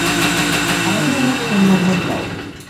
আমাকে তোমার phone number দাও?